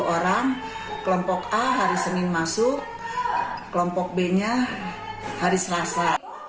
sepuluh orang kelompok a hari senin masuk kelompok b nya hari selasa